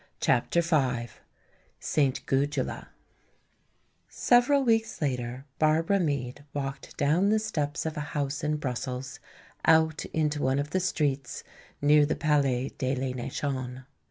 CHAPTER V St. Gudula Several weeks later Barbara Meade walked down the steps of a house in Brussels out into one of the streets near the Palais de la Nation.